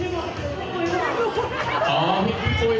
อ๋อมองที่ถึงสุยก่อน